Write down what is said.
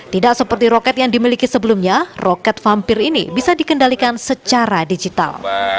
tidak seperti roket yang dimiliki sebelumnya roket vampir ini bisa dikendalikan secara digital